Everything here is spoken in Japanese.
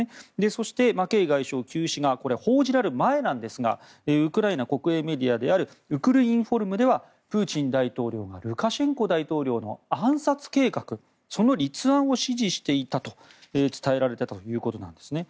そしてマケイ外相急死が報じられる前ですがウクライナ国営メディアであるウクルインフォルムではプーチン大統領がルカシェンコ大統領の暗殺計画その立案を指示していたと伝えられたということなんですね。